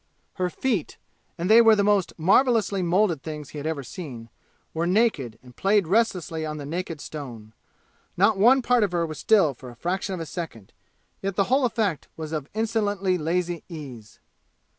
Her feet and they were the most marvelously molded things he had ever seen were naked and played restlessly on the naked stone. Not one part of her was still for a fraction of a second; yet the whole effect was of insolently lazy ease.